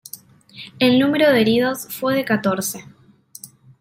El número de heridos fue de catorce.